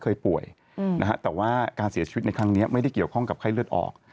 เคยป่วยนะฮะแต่ว่าการเสียชีวิตในครั้งนี้ไม่ได้เกี่ยวข้องกับไข้เลือดออก